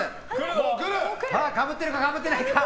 かぶってるか、かぶってないか。